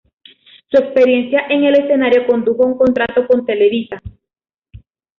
Su experiencia en el escenario condujo a un contrato con Televisa.